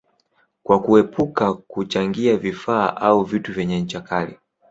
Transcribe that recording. kwa kuepuka kuchangia vifaa au vitu vyenye ncha kali